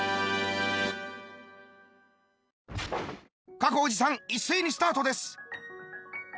各おじさん一斉にスタートです！